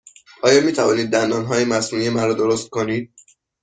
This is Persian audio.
آیا می توانید دندانهای مصنوعی مرا درست کنید؟